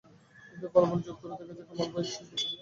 কিন্তু ফলাফল যোগ করে দেখা যায় কামাল ভাই-ই শেষ পর্যন্ত জিতেছেন।